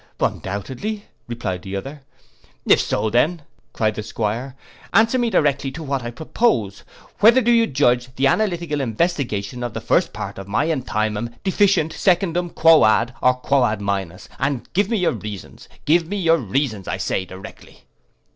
'Undoubtedly,' replied the other.—'If so then,' cried the 'Squire, 'answer me directly to what I propose: Whether do you judge the analytical investigation of the first part of my enthymem deficient secundum quoad, or quoad minus, and give me your reasons: give me your reasons, I say, directly.